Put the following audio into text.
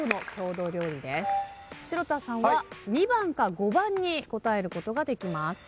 城田さんは２番か５番に答えることができます。